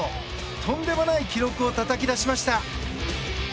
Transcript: とんでもない記録をたたき出しました。